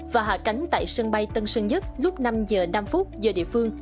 và hạ cánh tại sân bay tân sơn nhất lúc năm h năm giờ địa phương